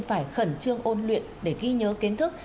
phải khẩn trương ôn luyện để ghi nhớ kiến thức